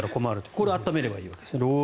これを温めればいいわけですね。